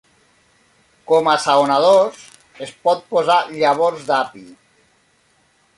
Com assaonadors es pot posar llavors d'api.